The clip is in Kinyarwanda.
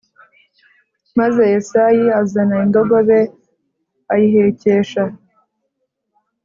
Maze Yesayi azana indogobe ayihekesha